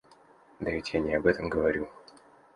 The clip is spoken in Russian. Да ведь я не об этом говорю